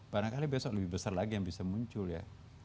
barangkali besok lebih besar lagi yang bisa muncul ya